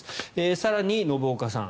更に、信岡さん。